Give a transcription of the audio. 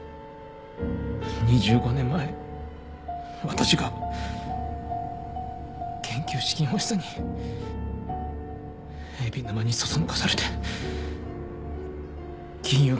２５年前私が研究資金欲しさに海老沼にそそのかされて金融機関から金を奪った。